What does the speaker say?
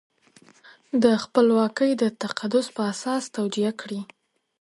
د خپلواکۍ د تقدس په اساس توجیه کړي.